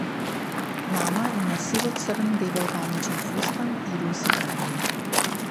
Мама има сиво-црн дебел памучен фустан и руси прамени.